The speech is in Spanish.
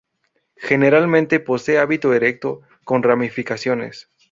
Generalmente posee hábito erecto, con ramificaciones.